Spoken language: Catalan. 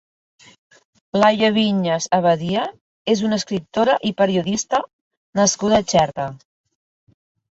Laia Viñas Abadie és una escriptora i periodista nascuda a Xerta.